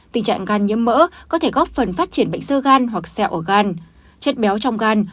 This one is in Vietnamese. tình trạng gan nhiễm mỡ có thể góp phần phát triển bệnh sơ gan hoặc sẹo ở gan